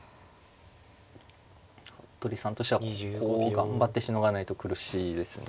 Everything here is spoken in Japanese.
服部さんとしてはここを頑張ってしのがないと苦しいですね。